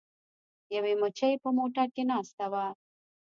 یوې مچۍ په موټر کې ناسته وه.